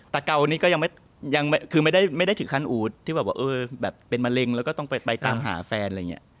แต่เก่านี่ก็ยังไม่ได้ถึงขั้นอู๋ทที่แบบเป็นมะเร็งแล้วก็ต้องไปตามหาแฟนอะไรอย่างเงี้ย